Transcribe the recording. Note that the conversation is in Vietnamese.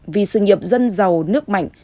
vì sự nghiệp dân giàu nước mạnh